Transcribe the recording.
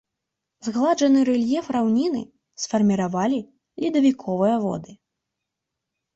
Згладжаны рэльеф раўніны сфармавалі ледавіковыя воды.